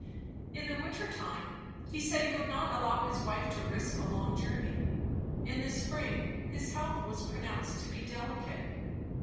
In the winter time, he said he would not allow his wife to risk a long journey. In the spring, his health was pronounced to be delicate.